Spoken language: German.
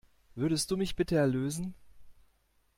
Würdest du mich bitte erlösen?